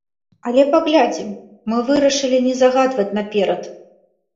Але паглядзім, мы вырашылі не загадваць наперад.